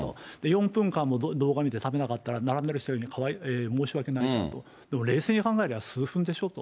４分間も動画見て食べなかったら、並んでる人に申し訳ないしと、でも冷静に考えれば、数分でしょと。